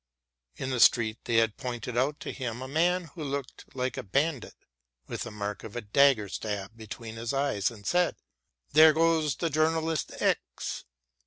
In the street they had pointed out to him a man who looked like a bandit, with the mark of a dagger stab between his eyes, and said, "There goes the journalist X."